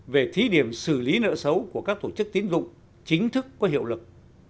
về thí điểm xử lý nợ xấu của các tổ chức tiến dụng chính thức có hiệu lực